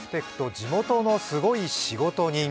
地元のすごい仕事人」。